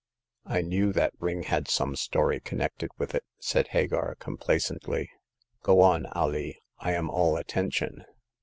''I knew that ring had some story connected with it," said Hagar, complacently. "Go on, Alee ; I am all attention."